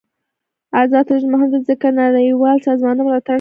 آزاد تجارت مهم دی ځکه چې نړیوال سازمانونه ملاتړ کوي.